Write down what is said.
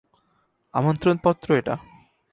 আমন্ত্রণপত্র এটা।